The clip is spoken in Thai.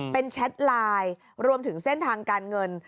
เป็นแชทไลน์รวมถึงเส้นทางการเงิน